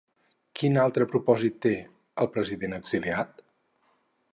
Quin altre propòsit té, el president exiliat?